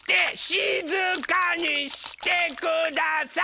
しずかにしてください！